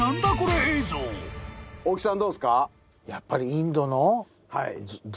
大木さんどうっすか？